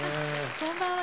こんばんは。